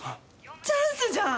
チャンスじゃん！